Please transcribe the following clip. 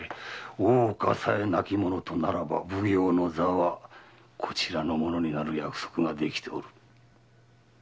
大岡さえ亡き者とならば奉行の座はこちらのものになる約束ができておる。